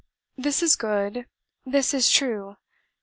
This is good: this is true.